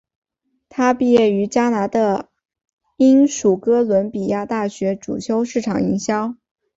她毕业于加拿大英属哥伦比亚大学主修市场营销。